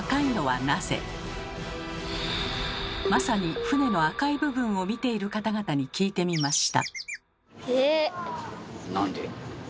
まさに船の赤い部分を見ている方々に聞いてみました。